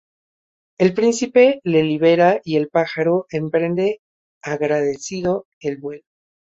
El Príncipe le libera y el Pájaro emprende agradecido el vuelo.